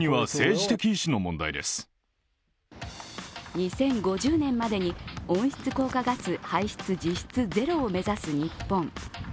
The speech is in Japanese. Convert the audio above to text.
２０５０年までに温室効果ガス排出実質ゼロを目指す日本。